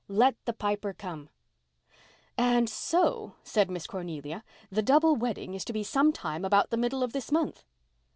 "LET THE PIPER COME" "And so," said Miss Cornelia, "the double wedding is to be sometime about the middle of this month."